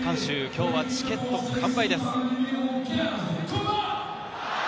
今日はチケット完売です。